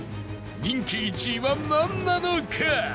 人気１位はなんなのか？